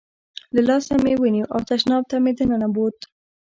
له لاسه مې ونیو او تشناب ته مې دننه بوت.